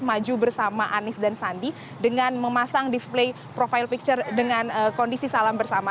maju bersama anies dan sandi dengan memasang display profile picture dengan kondisi salam bersama